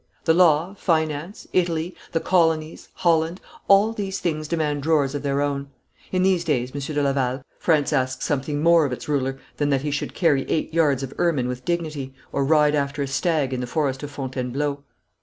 The law, finance, Italy, the Colonies, Holland, all these things demand drawers of their own. In these days, Monsieur de Laval, France asks something more of its ruler than that he should carry eight yards of ermine with dignity, or ride after a stag in the forest of Fontainebleau.'